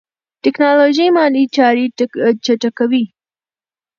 ټیکنالوژي مالي چارې چټکوي.